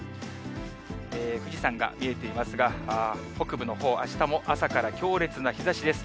富士山が見えていますが、北部のほう、あしたも朝から強烈な日ざしです。